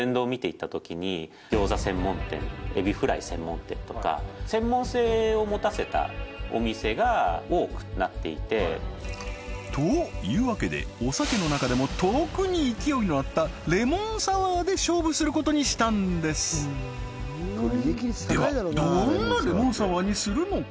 ってところでサブストロームさんは考えたというわけでお酒の中でも特に勢いのあったレモンサワーで勝負することにしたんですではどんなレモンサワーにするのか